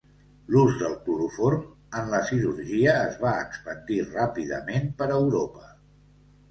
L'ús del cloroform en la cirurgia es va expandir ràpidament per Europa.